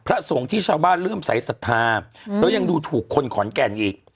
พระสงฆ์ที่ชาวบ้านเริ่มสายศรัทธาแล้วยังดูถูกคนขอนแก่นอีก